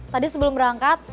tadi sebelum berangkat